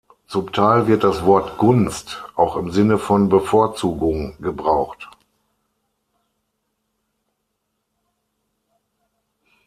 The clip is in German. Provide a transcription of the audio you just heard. Zum Teil wird das Wort Gunst auch im Sinne von "Bevorzugung" gebraucht.